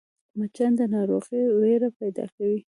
مچان د ناروغۍ وېره پیدا کوي